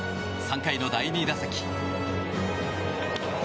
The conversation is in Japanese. ３回の第２打席。